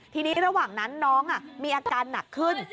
ทีนี้ระหว่างนั้นน้องมีอาการหนักขึ้น